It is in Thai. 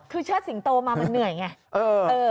คือเชิดสิงโตมามันเหนื่อยไง